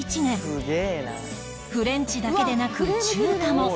フレンチだけでなく中華も